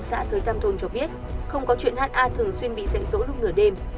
xã thới tam thôn cho biết không có chuyện ha thường xuyên bị dạy dỗ lúc nửa đêm